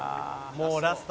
「もうラスト」